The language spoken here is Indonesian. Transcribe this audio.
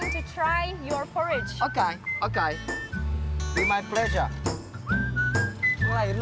sekarang saya akan mencoba poraj anda